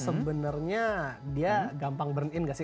sebenarnya dia gampang burn in gak sih